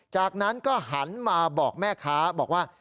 จากนั้นก็หันมาบอกแม่ค้าบอกว่า